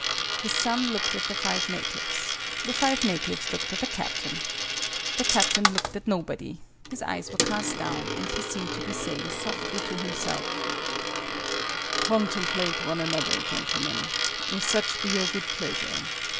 His son looked at the five natives. The five natives looked at the Captain. The Captain looked at nobody: his eyes were cast down, and he seemed to be saying softly to himself "Contemplate one another, gentlemen, if such be your good pleasure.